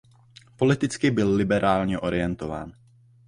Politicky byl liberálně orientován.